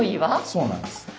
そうなんです。